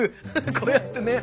こうやってね。